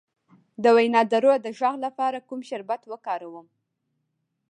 د وینادرو د غږ لپاره کوم شربت وکاروم؟